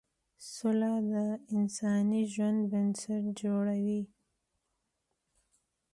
سوله د انساني ژوند بنسټ جوړوي.